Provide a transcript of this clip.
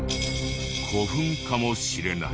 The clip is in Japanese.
古墳かもしれない。